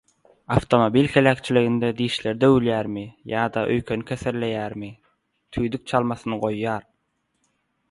awtomobil heläkçiliginde dişleri döwülýärmi, ýa-da öýkeni keselleýärmi, tüýdük çalmasyny goýýar.